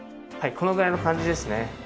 このぐらいの感じですね。